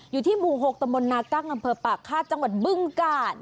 อยู่ที่หมู่หกตมนตร์นากล้างกำเผอปะค่าจังหวัดบึงกาล